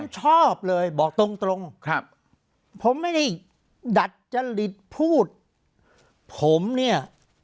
ผมชอบเลยบอกตรงตรงครับผมไม่ได้ดัดจริตพูดผมเนี่ย